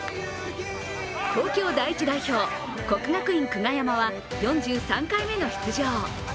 東京第１代表、国学院久我山は４３回目の出場。